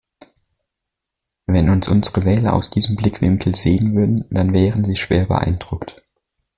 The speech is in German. Wenn uns unsere Wähler aus diesem Blickwinkel sehen würden, dann wären sie schwer beeindruckt.